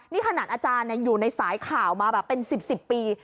นี่ขนาดอาจารย์อยู่ในสายข่าวมาแบบเป็น๑๐ปี